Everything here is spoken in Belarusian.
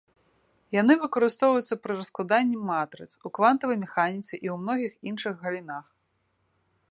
Яны выкарыстоўваюцца пры раскладанні матрыц, у квантавай механіцы і ў многіх іншых галінах.